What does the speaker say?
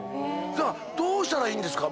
じゃあどうしたらいいんですか？